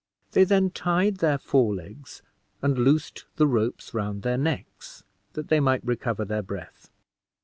They then tied their fore legs, and loosed the ropes round their necks, that they might recover their breath.